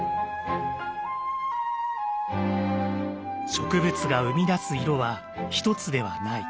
植物が生み出す色は一つではない。